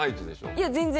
いや全然。